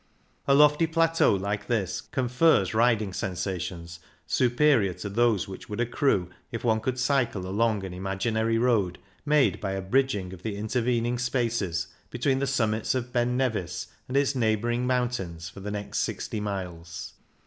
A lofty plateau like this confers riding sensations superior to those which would accrue if one could cycle along an imaginary road, made by a bridging of the intervening spaces between the summits of Ben Nevis and its neighbouring mountains for the next sixty miles.